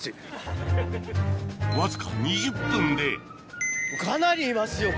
わずか２０分でかなりいますよ